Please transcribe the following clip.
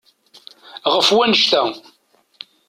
Ɣef wannect-a.